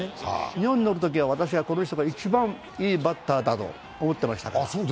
日本にいるときは私はこの人が一番いいバッターだと思ってましたから。